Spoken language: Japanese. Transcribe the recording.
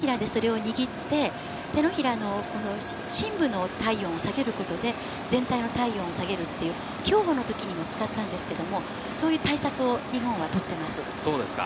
手のひらでそれを握って、手のひらの、この深部の体温を下げることで、全体の体温を下げるっていう、競歩のときにも使ったんですけれども、そういう対策を日本はそうですか。